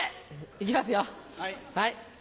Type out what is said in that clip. いきますよ。